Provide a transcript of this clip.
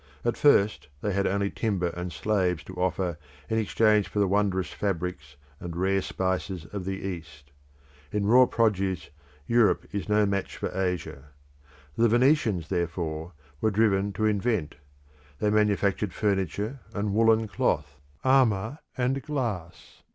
At first they had only timber and slaves to offer in exchange for the wondrous fabrics and rare spices of the East. In raw produce Europe is no match for Asia. The Venetians, therefore, were driven to invent; they manufactured furniture and woollen cloth, armour, and glass.